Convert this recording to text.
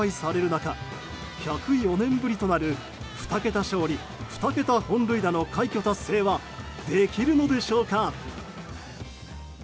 中１０４年ぶりとなる２桁勝利２桁本塁打の快挙達成はできるのでしょうか。